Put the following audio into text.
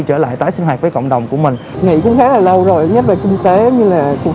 trở lại tái sinh hoạt với cộng đồng của mình nghĩ cũng khá là lâu rồi nhất là kinh tế như là cuộc